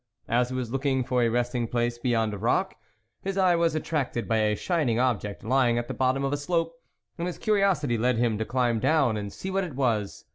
As he was looking for a resting place behind a rock, his eye was attracted by a shining object lying at the bottom of a slope, and his curiosity led him to climb down and see what it was.